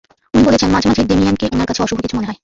উনি বলেছেন, মাঝেমাঝে ডেমিয়েনকে উনার কাছে অশুভ কিছু মনে হয়।